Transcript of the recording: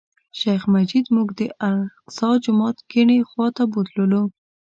شیخ مجید موږ د الاقصی جومات کیڼې خوا ته بوتللو.